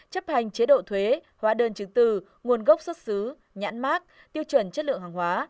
chấp hành chế độ thuế hóa đơn chứng từ nguồn gốc xuất xứ nhãn mát tiêu chuẩn chất lượng hàng hóa